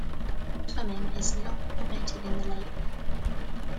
Swimming is not permitted in the lake.